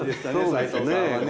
齊藤さんはね。